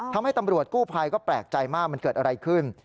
ทำให้ตำรวจกู้ภัยก็แปลกใจมากมันเกิดอะไรขึ้น